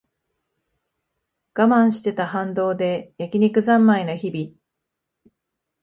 我慢してた反動で焼き肉ざんまいの日々